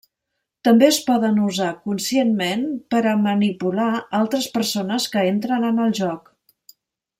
També es poden usar conscientment per a manipular altres persones que entren en el joc.